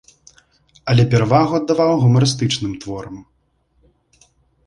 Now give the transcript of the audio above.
Але перавагу аддаваў гумарыстычным творам.